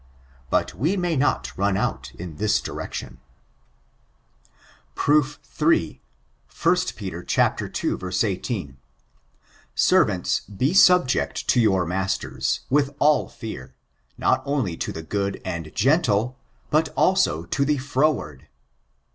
But we may not run x)ut in this direction. Proof III. — 1 Pet. ii. 18: "Servants, be subject to your masters, with all fear; not only to the good and gentle, but also to the firoward."